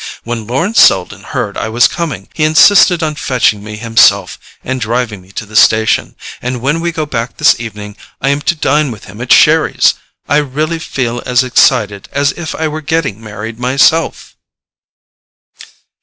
When Lawrence Selden heard I was coming, he insisted on fetching me himself and driving me to the station, and when we go back this evening I am to dine with him at Sherry's. I really feel as excited as if I were getting married myself!"